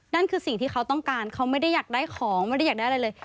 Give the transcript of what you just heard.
นั่นคือสิ่งที่เขาต้องการเขาไม่ได้อยากได้ของไม่ได้อยากได้อะไรเลย